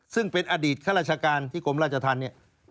ซึ่งเป็นอดีตข้าราชการที่กลมราชทัน